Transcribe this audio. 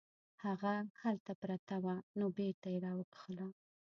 هغه هلته پرته وه نو بیرته یې راوکښله.